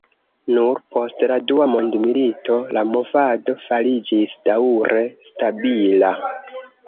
Nur post la dua mondmilito la movado fariĝis daŭre stabila.